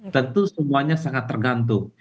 tentu semuanya sangat tergantung